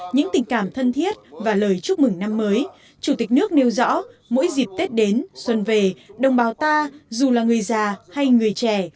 những tình cảm thân thiết và lời chúc mừng năm mới chủ tịch nước nêu rõ mỗi dịp tết đến xuân về đồng bào ta dù là người già hay người trẻ